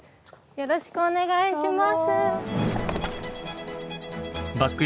よろしくお願いします。